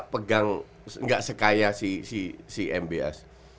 pegang nggak sekaya si mbs